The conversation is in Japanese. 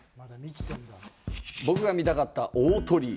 僕が見たかった大鳥居。